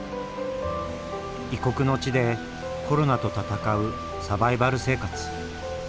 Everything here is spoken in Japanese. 異国の地でコロナと闘うサバイバル生活。